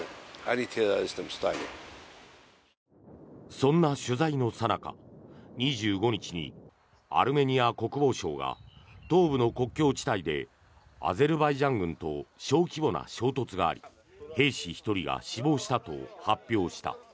そんな取材のさなか２５日にアルメニア国防省が東部の国境地帯でアゼルバイジャン軍と小規模な衝突があり兵士１人が死亡したと発表した。